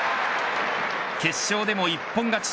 決勝でも一本勝ち。